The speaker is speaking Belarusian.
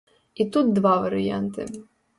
І тут два варыянты.